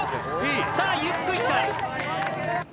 さあゆっくり行きたい。